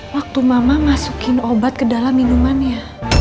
waktu mama masukin obat ke dalam minumannya